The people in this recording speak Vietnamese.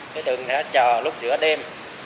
đối tượng đã chờ lúc giữa đêm